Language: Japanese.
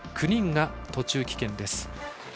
９人が途中棄権です。